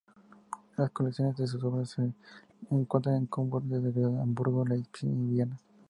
Las colecciones de sus obras se encuentran en Coburg, Dresde, Hamburgo, Leipzig y Viena.